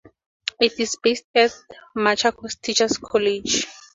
It is based at Machakos Teachers College.